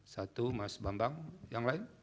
satu mas bambang yang lain